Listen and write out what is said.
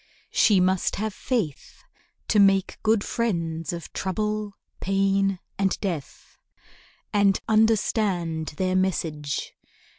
She must have faith, To make good friends of Trouble, Pain, and Death, And understand their message.